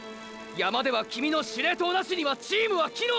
山ではキミの司令塔なしにはチームは機能しない！！